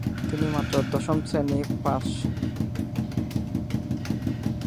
তিনি মাত্র দশম শ্রেনি পাস।